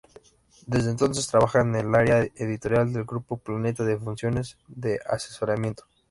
Desde entonces trabaja en el área editorial del Grupo Planeta en funciones de asesoramiento.